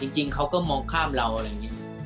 จริงเขาก็มองข้ามเราอะไรอย่างนี้